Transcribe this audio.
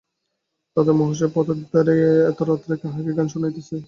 দাদা মহাশয়, পথের ধারে এত রাত্রে কাহাকে গান শুনাইতেছ?